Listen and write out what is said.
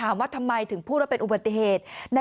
มันเป็นวันเรียงมันเป็นวันเรียง